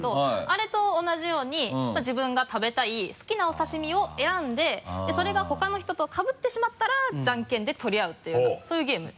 あれと同じように自分が食べたい好きなお刺身を選んでそれが他の人とかぶってしまったらじゃんけんで取り合うっていうそういうゲーム。